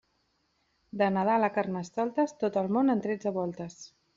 De Nadal a Carnestoltes, tot el món en tretze voltes.